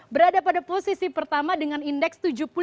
berada pada posisi pertama dengan indeks tujuh puluh lima enam puluh delapan